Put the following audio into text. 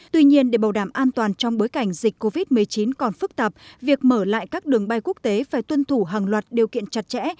tuy nhiên để bảo đảm an toàn trong bối cảnh dịch covid một mươi chín còn phức tạp việc mở lại các đường bay quốc tế phải tuân thủ hàng loạt điều kiện chặt chẽ